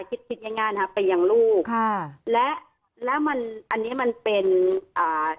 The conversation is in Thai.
คิดคิดง่ายง่ายนะครับไปยังลูกค่ะและแล้วมันอันนี้มันเป็นอ่า